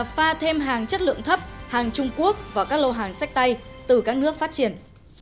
pha thêm hàng chất lượng thấp hàng trung quốc và các lô hàng sách tay từ các nước phát triển